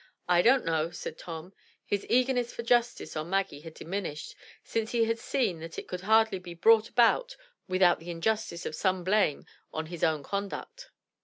" I don't know," said Tom; his eagerness for justice on Maggie had diminished since he had seen that it could hardly be brought about without the injustice of some blame on his own conduct.